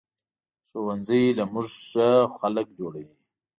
ښوونځی له مونږ ښه خلک جوړوي